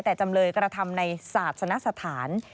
แต่จำเลยกระทำในศาสนสถาน